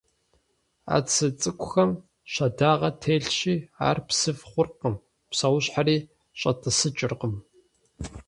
А цы цӀыкӀухэм щэдагъэ телъщи, ар псыф хъуркъым, псэущхьэри щӀэтӀысыкӀыркъым.